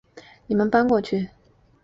你们搬过去